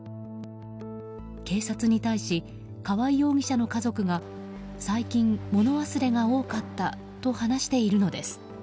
警察に対し川合容疑者の家族が最近、物忘れが多かったと話しているのです。